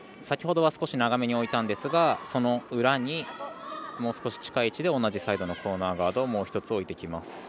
先ほどは少し長めに置いたんですがその裏にもう少し近い位置で同じサイドのコーナーガードをもう１つ置いてきます。